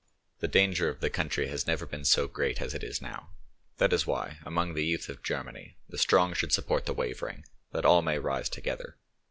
"The danger of the country has never been so great as it is now, that is why, among the youth of Germany, the strong should support the wavering, that all may rise together.